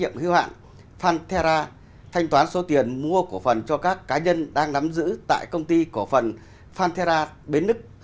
bán số tiền mua cổ phần cho các cá nhân đang nắm giữ tại công ty cổ phần pantera bến lức